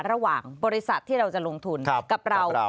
ระหว่างบริษัทที่เราจะลงทุนกับเรา